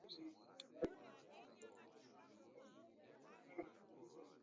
Igare jamuka luma dimdungie maghu